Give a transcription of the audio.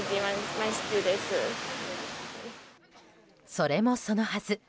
それもそのはず。